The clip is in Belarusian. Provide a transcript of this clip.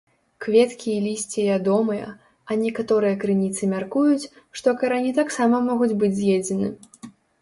Кветкі і лісце ядомыя, а некаторыя крыніцы мяркуюць, што карані таксама могуць быць з'едзены.